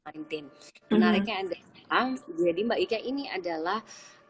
menariknya jadi mbak ika ini adalah